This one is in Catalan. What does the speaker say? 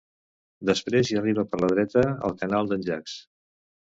Després hi arriba per la dreta el Canal d'en Jaques.